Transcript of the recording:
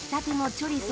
「チョリソ！」